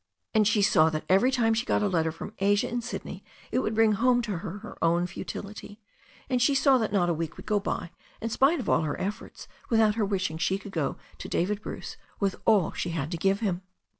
And she saw that ev^n ^^''^^^^^^^^ a letter from Asia in THE STORY OF A NEW ZEALAND RIVER 393 Sydney it would bring home to her her own futility. And she saw that not a week would go by, in spite of all her efforts, without her wishing she could go to David Bruce with all she had to give him.